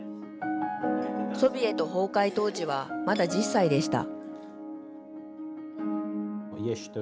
ソビエト崩壊当時はまだ１０歳でした。